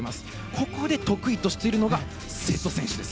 ここで得意としているのが瀬戸選手です。